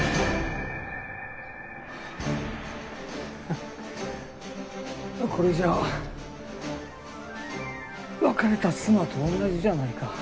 フッこれじゃあ別れた妻とおんなじじゃないか。